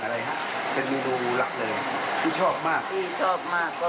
ที่ชอบมากก็มีกลัวตาตั้งมีหมูทอด